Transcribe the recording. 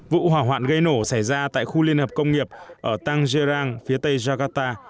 vụ hỏa hoạn gây nổ xảy ra tại khu liên hợp công nghiệp ở tangjerang phía tây jakarta